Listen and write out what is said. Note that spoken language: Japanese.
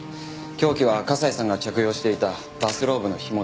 凶器は笠井さんが着用していたバスローブの紐です。